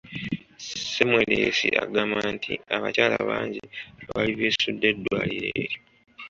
Semmelwesi agamba nti abakyala bangi abaali beesudde eddwaliro eryo.